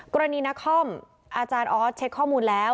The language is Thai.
กรณีนักคอมอาจารย์ออสเช็คข้อมูลแล้ว